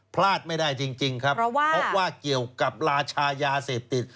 พลาดไม่ได้จริงครับเพราะว่าเกี่ยวกับราชายาเสพติด